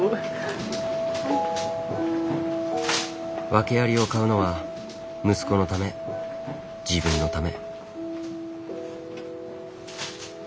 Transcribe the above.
ワケありを買うのは息子のため自分のため。